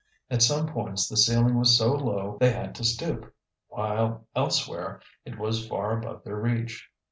At some points the ceiling was so low they had to stoop, while elsewhere it was far above their reach.